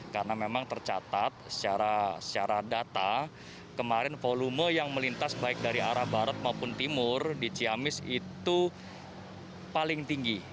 karena memang tercatat secara data kemarin volume yang melintas baik dari arah barat maupun timur di ciamis itu paling tinggi